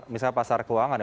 misalnya pasar keuangan ya